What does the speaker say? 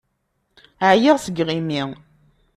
Ԑyiɣ seg yiɣimi.